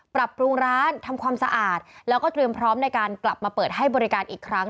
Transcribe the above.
ปรับปรุงร้านทำความสะอาดแล้วก็เตรียมพร้อมในการกลับมาเปิดให้บริการอีกครั้ง